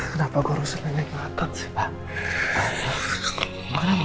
kenapa gue rusuh nanya ke atok sih pak